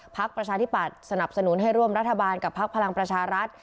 ภักดิ์ประชาธิบัตรสนับสนุนให้ร่วมรัฐบาลกับภักดิ์พลังประชารัฐ